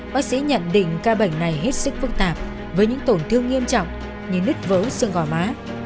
bác sĩ nhận định ca bệnh này hết sức phức tạp với những tổn thương nghiêm trọng như nứt vỡ xương gò má